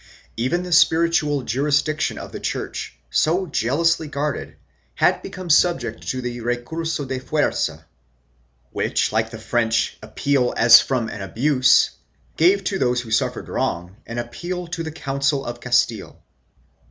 Even the spiritual jurisdiction of the Church, so jealously guarded, had become subject to the recur so de fuerza, which, like the French appel comme d'abus, gave to those who suffered wrong an appeal to the Council of Castile.